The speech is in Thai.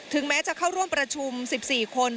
แม้จะเข้าร่วมประชุม๑๔คน